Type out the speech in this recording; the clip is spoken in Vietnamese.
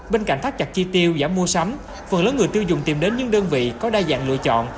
bên cạnh thắt chặt chi tiêu giảm mua sắm phần lớn người tiêu dùng tìm đến những đơn vị có đa dạng lựa chọn